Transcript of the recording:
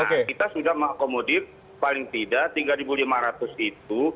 nah kita sudah mengakomodir paling tidak tiga lima ratus itu